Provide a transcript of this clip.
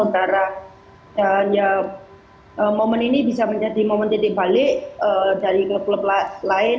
karena momen ini bisa menjadi momen titik balik dari klub klub lain